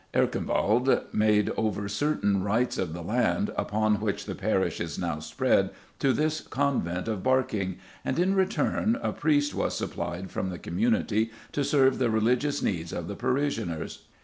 Erkenwald made over certain rights of the land, upon which the parish is now spread, to this convent of Barking, and, in return, a priest was supplied from the community to serve the religious needs of the parishioners.